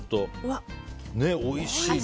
おいしいね。